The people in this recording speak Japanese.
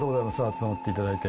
集まっていただいて。